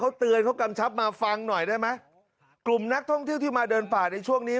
เขาเตือนเขากำชับมาฟังหน่อยได้ไหมกลุ่มนักท่องเที่ยวที่มาเดินป่าในช่วงนี้